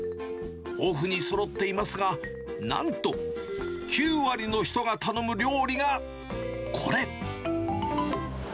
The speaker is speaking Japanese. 豊富にそろっていますが、なんと９割の人が頼む料理がこれ。